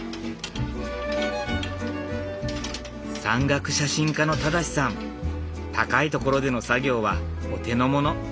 山岳写真家の正さん高い所での作業はお手のもの。